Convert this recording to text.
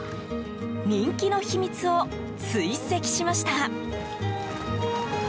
人気の秘密を追跡しました。